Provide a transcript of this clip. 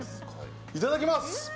いただきます！